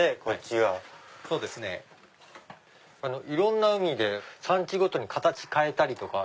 いろんな海で産地ごとに形変えたりとか。